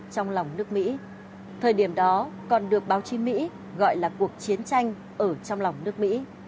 trong lòng nước mỹ thời điểm đó còn được báo chí mỹ gọi là cuộc chiến tranh ở trong lòng nước mỹ